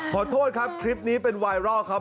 ขอโทษครับคลิปนี้เป็นไวรัลครับ